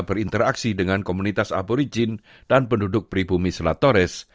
berinteraksi dengan komunitas aborigin dan penduduk pribumi selatores